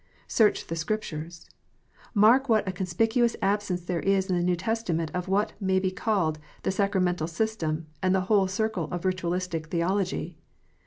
" Search the Scriptures." Mark what a conspicuous absence there is in the New Testament of what may be called the sacramental system, and the whole circle of Ritualistic theology.